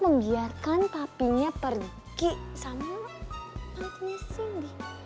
menggiarkan papinya pergi sama tantenya cindy